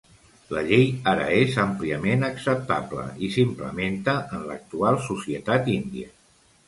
La llei ara és àmpliament acceptable i s'implementa en l'actual societat índia.